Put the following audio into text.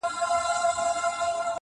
امن ښه دی پاچا هلته به خوند وکړي,